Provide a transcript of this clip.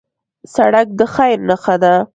سړک د خیر نښه ده.